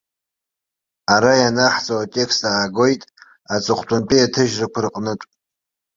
Ара ианаҳҵо атекст аагоит аҵыхәтәантәи аҭыжьрақәа рҟнытә.